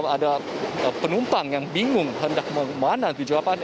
ada penumpang yang bingung hendak mana dijawabannya